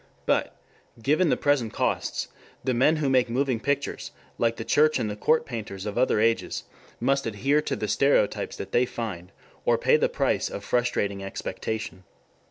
But, given the present costs, the men who make moving pictures, like the church and the court painters of other ages, must adhere to the stereotypes that they find, or pay the price of frustrating expectation.